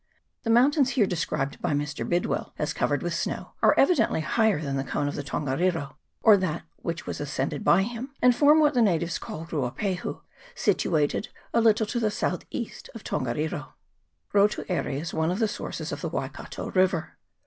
The mountains here described by Mr. Bidwill as covered with snow are evidently higher than the cone of the Tongariro, or that which was ascended by him, and form what the natives call Ruapahu, situated a little to the south east of Tongariro. Rotu Aire is one of the sources of the Waikato river.